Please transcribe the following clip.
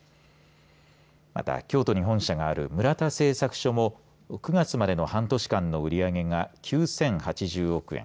また、京都に本社がある村田製作所も９月までの半年間の売り上げが９０８０億円。